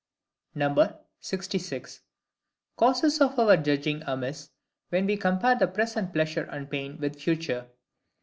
66. Causes of our judging amiss when we compare present pleasure and pain with future.